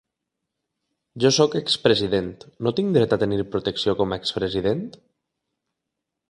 Jo sóc ex-president: no tinc dret a tenir protecció com a ex-president?